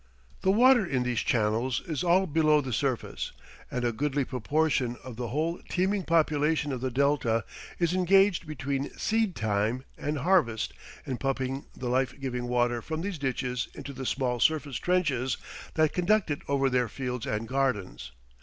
The water in these channels is all below the surface, and a goodly proportion of the whole teeming population of the delta is engaged between seed time and harvest in pumping the life giving water from these ditches into the small surface trenches that conduct it over their fields and gardens.